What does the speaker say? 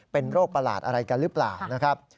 เป็นโรคประหลาดอะไรกันหรือเปล่านะครับ